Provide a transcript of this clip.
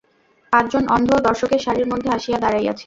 পাঁচজন অন্ধও দর্শকের সারির মধ্যে আসিয়া দাঁড়াইয়াছে।